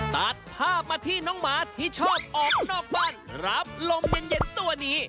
ตัดภาพมาที่น้องหมาที่ชอบออกนอกบ้านรับลมเย็นตัวนี้